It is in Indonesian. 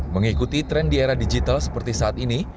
mengikuti tren di era digital seperti saat ini